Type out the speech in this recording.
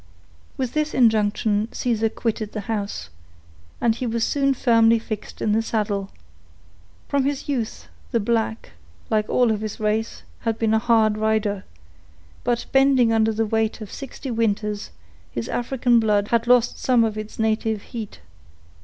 With this injunction Caesar quitted the house, and he was soon firmly fixed in the saddle. From his youth, the black, like all of his race, had been a hard rider; but, bending under the weight of sixty winters, his African blood had lost some of its native heat.